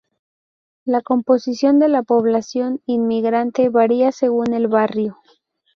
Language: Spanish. La composición de la población inmigrante varía según el barrio.